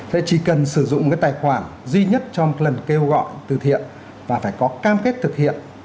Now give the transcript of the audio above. thế chỉ cần sử dụng cái tài khoản duy nhất trong lần kêu gọi từ thiện và phải có cam kết thực hiện